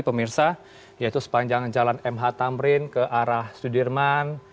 pemirsa yaitu sepanjang jalan mh tamrin ke arah sudirman